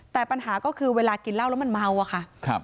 แต่ปัญหาก็คือเวลากินเหล้าแล้วมันเมาอะค่ะ